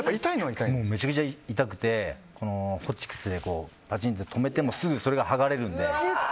めちゃめちゃ痛くてホチキスでとめてもすぐそれが剥がれるので。